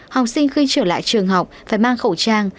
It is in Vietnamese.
học sinh khi trở lại trường học phải mang khẩu trang